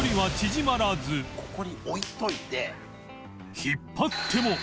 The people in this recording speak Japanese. ここに置いておいて。